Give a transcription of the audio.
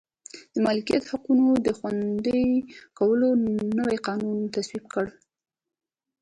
د مالکیت حقونو د خوندي کولو نوي قوانین تصویب کړل.